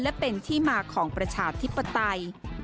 และเป็นที่มาของประชาธิปไตย